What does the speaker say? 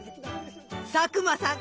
佐久間さん